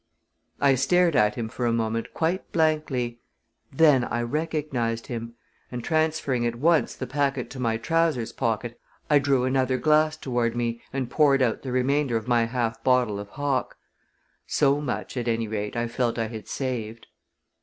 I stared at him for a moment quite blankly. Then I recognized him; and, transferring at once the packet to my trousers pocket, I drew another glass toward me and poured out the remainder of my half bottle of hock. So much, at any rate, I felt I had saved!